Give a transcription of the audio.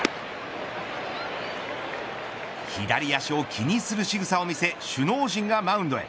左足を気にするしぐさを見せ首脳陣がマウンドへ。